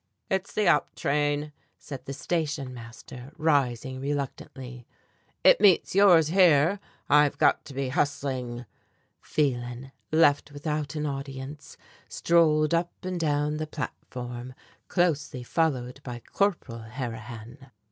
"It's the up train," said the station master, rising reluctantly; "it meets yours here. I've got to be hustling." Phelan, left without an audience, strolled up and down the platform, closely followed by Corporal Harrihan.